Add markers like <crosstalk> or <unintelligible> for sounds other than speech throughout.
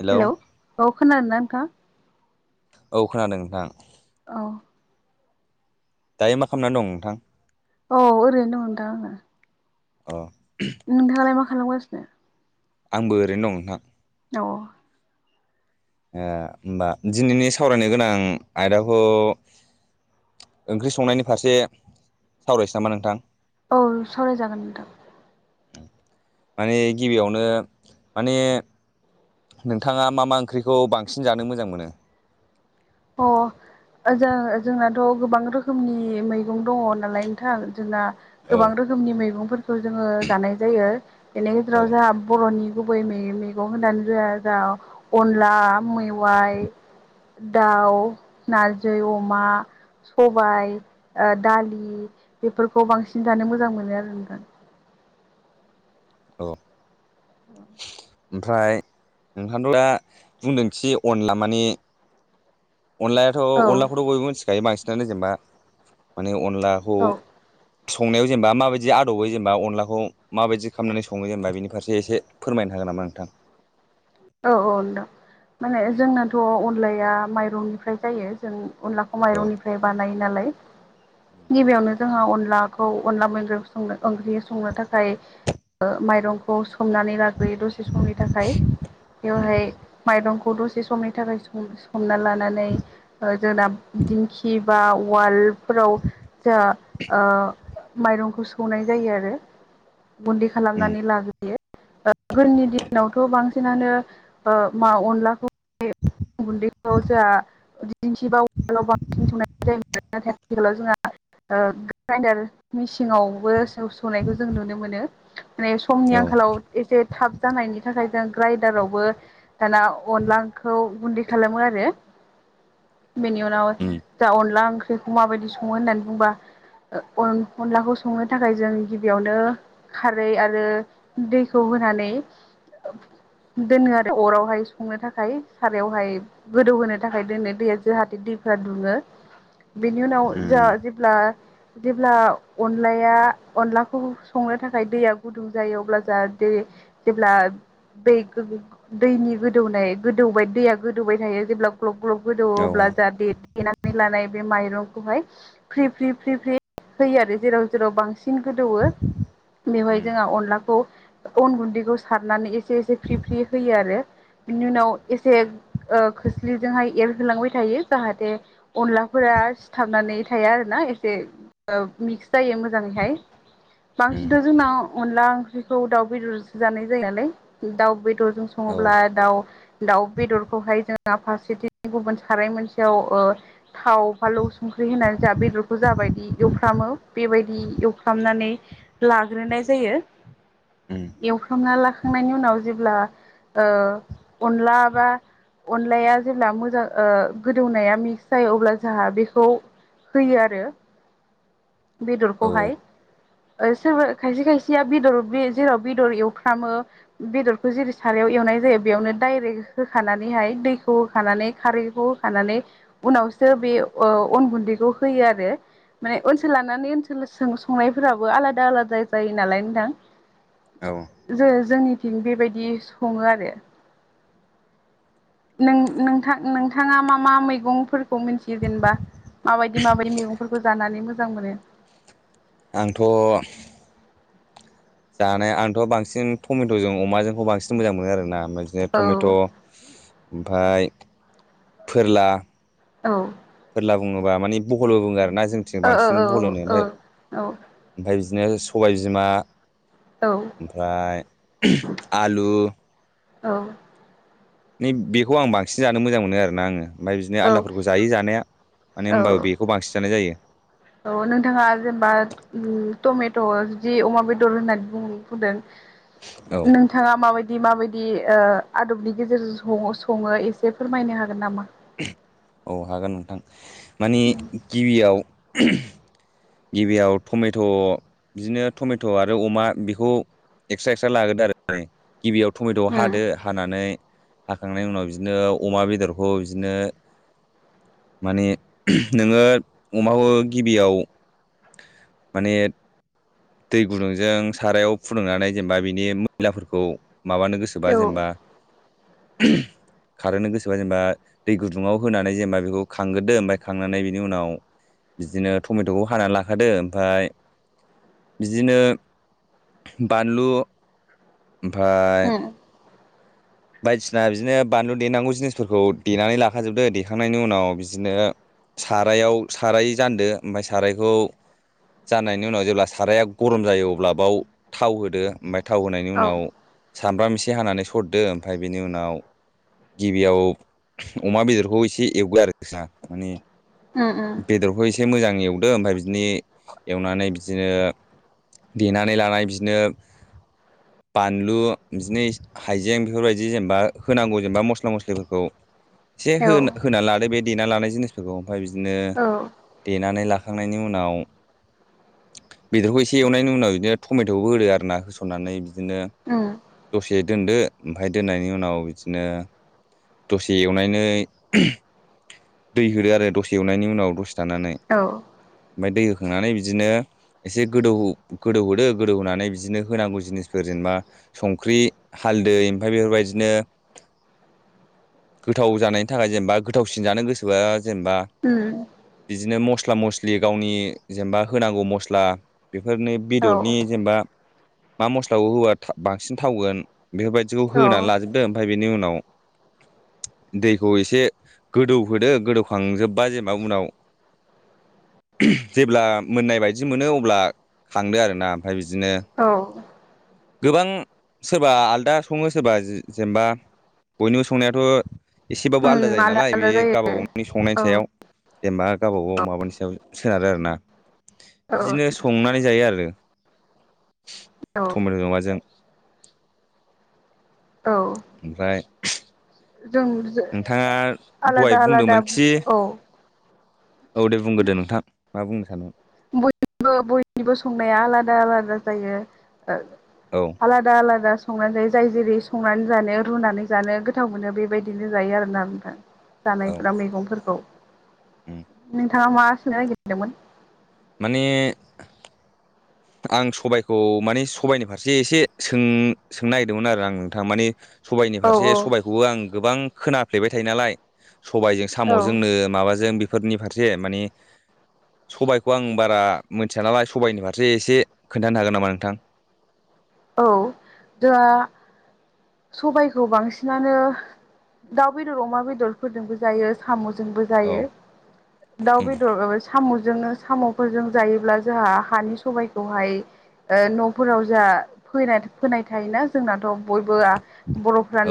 Hello hello औ खोनादोंना नोंथां औ खोनादों नोंथां औ दायो मा खालामनानै दं नोंथां औ ओरैनो दं नोंथां आंङो अ नोंथाङालाय मा खालामगासिनो आंबो ओरैनो दं नोंथां औ औ ओ होमबा दिनैनि सावरायनो गोनां आयदाखौ ओंख्रि संनायनि फारसे सावरायसै नामा नोंथां औ सावरायजागोन नोंथां माने गिबियावनो माने नोंथाङा मा मा ओंख्रिखौ बांसिन जानो मोजां मोनो? अ ओ जों जोंनाथ' गोबां रोखोमनि मै गं दङ नालाय नोंथां जोंना औ गोबां रोखोमनि मैगंफोरखौ जोङ जानाय जायो बे औ गेजेराव जोंहा बर'नि गुबै मैगं होनानै जाया जा अनला मैवाइ दाउ नारजै अमा सबाय ओ दालि बेफोरखौ बांसिन जानो मोजां मोनो आरो नोंथां औ ओम ओमफ्राय नोंथांथ' दा बुंदोंखि अनला मानि अनलायाथ' औ अनलाखौथ' बयबो मिथिखायो बांसिनानो जेनेबा माने अनलाखौ औ संनायाव जेनेबा माबायदि आदबै जेनेबा अनलाखौ माबायदि खालामनानै सङो जेनेबा बेनि फारसे एसे फोरमायनो हागोन नामा नोंथां? औ औ नोंथां माने जोंनोथ' अनलाया माइरंनिफ्राय जायो जों अनलाखौ औ माइरंनिफ्राय बानायो नालाय उम गिबियावनो जोंहा अनलाखौ अनला मैग्रं संनो ओंख्रि संनो थाखाय ओ माइरंखौ संनानै लाग्रोयो दसे समनि थाखाय बेवहाय मायरं खौ दसे समनि थाखाय सो-सोमना लानानै जों दिंखि बा उवालडफोराव जा ओ माइरंखौ सौनाय जायो आरो। गुन्दै उम खालामनानै लाग्रोयो ओ गोदोनि दिनावथ' बांसिनानो ओ मा अनलाखौ <unintelligible> गुन्दैखौ जा दिंखि बा <unintelligible> मेसिंआवबो सौ-सौनायखौ जों नुनो मोनो। माने समनि औ आंखालाव एसे थाब जानायनि थाखाय जों ग्राइडारावबो दाना अनलाखौ गुन्दै खालामो आरो। बेनि उनाव उम जा अनला ओंख्रिखौ माबायदि सङो होननानै बुंबा। ओ अन-अनलाखौ संनो थाखाय जों गिबियावनो खारै आरो दैखौ होनानै। दोनो आरो अरावहाय संनो थाखाय सारायावहाय गोदौहोनो थाखाय दोनो दैया जोंहाथे दैफोरा दुङो बेनि उनाव जा उम जेब्ला जेब्ला अनलाया अनलाखौ संनो थाखाय दैया गुदुं जायो अब्ला जा जेरै - जेब्ला बेै <inaudible> दैनि गोदौनाय गोदौबाय दैया गोदौबाय थायो जेब्ला ग्लब ग्लब गोदौवो औ अब्ला उम जा दे-देेनानै लानाय बे माइरंखौहाय फ्रि फ्रि फ्रि फ्रि होयो आरो जेराव जेराव बांसिन गोदौवो। बेवहाय उम जोंहा अनलाखौ अन गुन्दैखौ सारनानै एसे एसे फ्रि फ्रि होयो आरो। बिनि उनाव एसे ओ खोस्लिजोंहाय एरहोलांबाय थायो जाहाथे अनलाफोरा रा सिथाबनानै थायो आरोना एसे मिक्स ओ जायो मोजाङैहाय। बांसिनथ' जोंनाव अनला ओंख्रिखौ दाउ बेदरजों जानाय जायो नालाय दाउ बे दरजों औ सङोब्ला दाउ दाउ बेदरखौहाय जों फारसेथिं गुबुन साराय मोनसेयाव ओ थाव फालौ संख्रि होनानै जा बेदरखौ जाबाय दि एवफ्रामो बेबायदि एवफ्रामनानै लाग्रोनाय जायो। <inaudible> एवफ्रामना लाखांनायनि उनाव जेब्ला ओ अनला बा अनलाया जेब्ला मोजां ओ गोदौनाया मिक्स जायो अब्ला जोंहा बेखौ होयो आरो। <inaudible> औ बेदरखौहाय। ओ सोरबा खायसे खायसेया बेदर जेराव बेदर एवफ्रामो बेदरखौ जेरै - सारायाव एवनाय जायो बेयावनो डाइरेक्ट होखानानैहाय दैखौ होखानानै खारैखौ होखानानै उनावसो बे ओ अन गुन्दैखौ होयो आरो। माने ओनसोल लानानै ओनसोल‌ सों-संनायफोराबो आलादा आलादा जायो नालाय नोंथां औ । जों जोंनिथिं बेबायदि सङो आरो। नों नोंथां नोंथाङा मा मा मैगंफोरखौ मिनथियो जेनेबा? माबायदि माबायदि मैगंफोरखौ जानानै मोजां मोनो? आंथ' जानाय आंथ' बांसिन टमेट'जों अमाजोंखौ बांसिन मोजां मोनो आरोना। अमाजो औ टमेट' ओमफाय फोरला औ। फोरला बुङोबा मानि बहलबो बुङो आरो ना जोंथिं ओ बांसिन बहल औ होनोनो औ ओमफाय बिदिनो सबाय बिमा औ ओमफ्राय <unintelligible> आलु औ नै बेखौ आं बांसिन जानो मोजां मोनो आरो ना आङो ओमफाय बिदिनो औ आलदफोरखौ जायो जानाया माने औ होमबाबो बेखौ बांसिन जानाय जायो। औ नोंथाङा जेनेबा उम टमेट' जुदि अमा बेदर होननानै बुं-बुंदों औ नोंथाङा माबाय दि माबायदि ओ आदबनि गेजेरजों सं-सङो एसे फोरमायनो हागोन नामा? <unintelligible> औ हागोन नोंथां मानि उम गिबियाव <unintelligible> गिबियाव टमेट' बिदिनो टमेट' आरो अमा बेखौ एक्सट्रा एक्सट्रा लागदो आरो <unintelligible> गिबियाव टमेट' हादो हानानै हाखांनायनि उनाव बिदिनो अमा बेदरखौ बिदिनो माने नोङो अमाखौ गिबियाव माने दै गुदुंजों सारायाव फुदुंनानै जेनेबा बिनि मैलाफोरखौ माबानो गोसोबा औ जेनेबा खारहोनो गोसोबा जेनेबा दै गुदुङाव होनानै जेनेबा बेखौ खांग्रोदो ओमफ्राय खांनानै बिनि उनाव बिदिनो टमेट'खौ हानानै लाखादो ओमफ्राय बिदिनो बानलु ओमफाय उम बायदिसिना बिदिनो बानलु देनांगौ जिनिसफोरखौ देनानै लाखाजोबदो देखांनायनि उनाव बिदिनो सारायाव साराय जान्दो ओमफ्राय सारायखौ जाननायनि उनाव जेब्ला साराया गरम जायो अब्ला बाव थाव होदो ओमफ्राय थाव होनायनि औ उनाव सामब्राम एसे हानानै सरदो ओमफ्राय बेनि उनाव गिबियाव अमा बेदरखौ एसे एवगो आरो माने उम उम बेदरखौ एसे मोजां एवदो ओमफ्राय बिदिनो एवनानै बिदिनो देनानै लानान बिदिनो बानलु बिदिनो हाइजें बेफोरबायदि जेनेबा होनांगौ जेनेबा मस्ला मस्लिफोरखौ एसे औ होन होनानै लादो बे देना लानाय जिनिसफोरखौ ओमफ्राय बिदिनो औ देनानै ला खांनायनि उनाव बेदरखौ एसे एवनायनि उनाव बिदिनो टमेट'बो होदो आर ना होसननानै बिदिनो उम दसे दोन्दो ओमफ्राय दोननायनि उनाव बिदिनो दसे एवनानै दै होदो आरो दसे एवनायनि उनाव दसे थानानै औ ओमफ्राय दै होखांनानै बिदिनो एसे गोदौ गोदौहदो गोदौ होनोनानै बिदिनो होनांगौ जिनिसफोर जेनेबा संख्रि हा दै ओमफ्राय बेफोरबायदिनो गोथाव जानायनि थाखाय जेनेबा गोथावसिन जानो गोसोबा जेनेबा उम। बिदिनो मस्ला मस्लि गावनि जेनेबा होनांगौ मस्ला। बेफोरनो औ बेदरनि जेनेबा मा मस्लाखौ होबा बांसिन थावगोन। बेफोरबायदिखौ औ होनानै लाजोबदो ओमफ्राय बेनि उनाव दैखौ एसे गोदौहोदो गोदौखांजोब बा जेनेबा उनाव जेब्ला मोननाय बायदि मोनो अब्ला खांदो आरो ना ओमफ्राय बिद औ। गोबां सोरबा आलदा सङो सोरबा जेनेबा बयनिबो संनायाथ'। एसेबाबो आलादा उम जायो आलदा नालाय बे आलदा जायो गावबा गावनि संनायनि औ सायाव। जेनेबा गावबा गाव माबानि सायाव सोनारो आरो ना। औ बिदिनो संनानै जायो आरो। औ टमेट' माबाजों। औ ओमफ्राय जों नोंथाङा दहाय आलादा आलादा बुंदोंमोनखि औ औ दे बुंदो दे नोंथां मा बुंनो सानो बयनिबो बयनिबो संनाया आलादा आलादा जायो। औ आलादा आलादा संनानै जायो जाय जेरै संनानै जानायाव रुनानै जानो गोथाव मोनो बेबायदिनो जायो आरोना नोंथां औ जानायफ्रा मैगंफोरखौ। उम नोंथाङा मा सोंनो नागिरदोंमोन। माने आं सबायखौ माने सबाइनि फारसे एसे सों सोंनो नागिरदोंमोन आरो आं नोंथाङा माने सबायाइनि औ फारसे औ सबायखौबो आं गोबां खोनाफ्लेबाय थायो नालाय, सबायजों साम' औ जोंनो माबाजों, फोरनि फारसे माने सबायखौ आं बारा मिथिया नालाय सबायाइनि फार फारसे एसे खोन्थानो हागोन नामा नोंथां? औ दोंआ, सबायखौ बांसिनानो दाउ बेदर अमा बेदरफोरजोंबो जायो साम'स जोंबो औ जायो दाउ उम बेदर सामु जों जोङो साम'फोरजों जायोब्ला जोंहा हानि सबायखौहाय ओ न'फोराव जोंहा फोनाय थायोना जोंनाथ' बयबो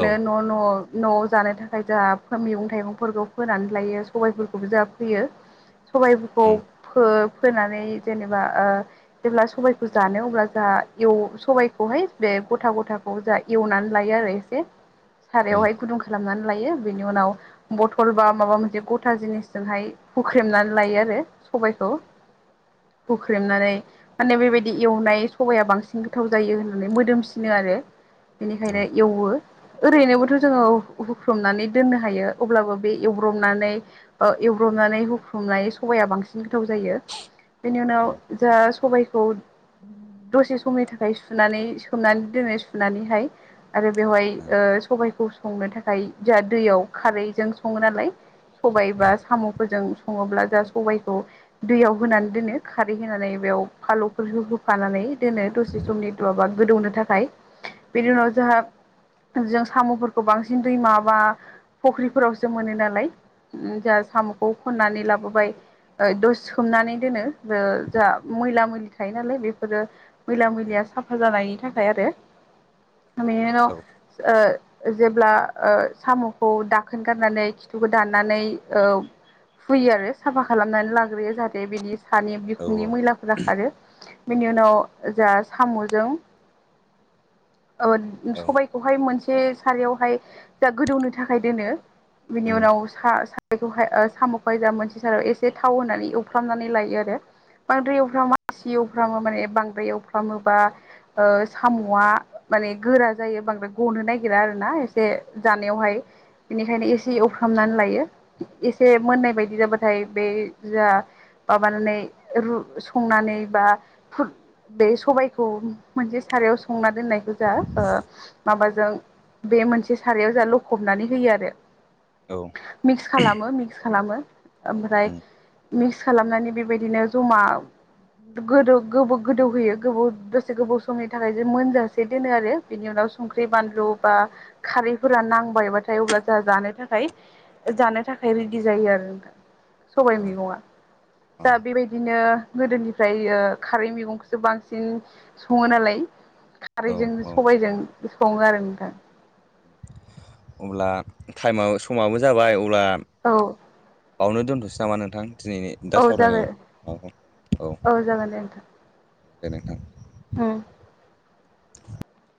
औ न' न' न'आव जानो थाखाय जोंहा मैगं थाइगंफोरखौ फोनानै लायो सबायफोरखौबो जोंहा फोयो। सबायफोरखौ उम फो फोनानै जेनेबा ओ जेब्ला सबायखौ जानो अब्ला जोंहा एव सबायखौहाय बे गथा गथाखौ जा एवनानै लायो आरो एसे उम सारायावहाय गुदुं खालामनानै, लायो बेनि उनाव बथल बा माबा मोनसे गथा जिनिसजोंहाय हुख्रेमनानै लायो आरो सबायखौ हुख्रेमनानै माने बेबायदि एवनाय सबाया बांसिन, गोथाव जायो होननानै मोदोमसिनो आरो औ बेनिखायनो एवो, ओरैनोबोथ' जोङो हुख्रमनानै दोननो हायो अब्लाबो बे एवब्रबनानै ओ हुब्रबनानै हुख्रुबनाय सबाया बांसिन गोथाव जायो बेनि उनाव औ जा सबायखौ दसे समनि थाखाय ओमफ्राय सुनानै सोमनानै दोनो सुनानैहाय आरो बेवहाय उम सबायखौ, संनो थाखाय जों दैयाव खारैजों सङो नालाय, सबाय बा साम'फोरजों सङोब्ला जा सबायखौ दैयाव होनानै दोनो खारै होनानै, बेयाव फालुफोरखौ होफानानै दोनो दसे, <unintelligible> गोदौनो थाखाय बेनि उनाव जोंहा, जों साम'फोरखौ बांसिन दैमा बा फख्रिफोरावसो मोनो नालाय, जोंहा साम'खौ खननानै लाबोबाय, ओइ सोमनानै दोनो जा मैला मैलि थायो नालाय बेफोरो मैला मैलि उम लिया साफा जानायनि थाखाय आरो बेनि उनाव औ ओ जेब्ला ओ साम'खौ दाखोन गारनानै खिथुखौ दाननानै औ फुयो आरो साफा खालामनानै लाग्रोयो। जाहाथे बिदि सानै औ बिखुंनि मैलाफोरा खारो बिनि उनाव जास्ट, सामु जों औ औ सबाइ खौहाय मोनसे ए सरावहाय जा गोदौनो थाखाय दोनो बिनि उम उनाव सा सा बेखौहाय ओ साम'खौहाय जा मोनसे साराव एसे थाव होनानै एवफ्रामनानै लायो आरो बांद्राय एवफ्रामा <unintelligible> माने बांद्राय एवफ्रामोबा, ओ, साम'आ माने गोरा जायो बांद्राय गनो नागिरा आरो ना एसे जानायावहाय, बेनिखायनो एसे एवफ्रामनानै लायो एसे मोननाय बायदि जाबाथाय बे जा, माबानानै रु संनानै बा बे सबायखौ मोनसे सारायाव संना दोननाय गोजा ओ माबा जों बे मोनसे सारायाव जों ल'खबनानै होयो आरो औ मिक्स खालामो मिक्स, खालामो ओमफ्राय उम मिक्स खालामनानै बेबायदिनो जमा, गोदौ गोबौ गोदौ होयो गोबाव दसे गोबाव समनि थाखाय जे मोनजासे दोनो आरो बिनि उनाव उम संख्रि बानलु बा खारैफोरा नांबायबाथाय अब्ला जोंहा जानो थाखाय जानो थाखाय रेडि जायो आरो <inaudible> सबाय मैगङा औ दा बेबायदिनो गोदोनिफ्राय ओ खारै मैगं सो बांसिन सङो नालाय औ खारैजों औ सबायजों सङो आरो <unintelligible> अब्ला टाइमा समाबो जाबाय अब्ला औ बावनो दोनथ'सै नामा नोंथां दिनैनि दा औ सावरायनाय जागोन माबाखौ औ जागोन दे नोंथां औ दे नोंथां उम